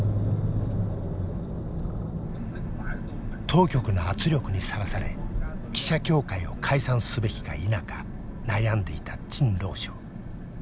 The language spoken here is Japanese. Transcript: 当局の圧力にさらされ記者協会を解散すべきか否か悩んでいた陳朗昇。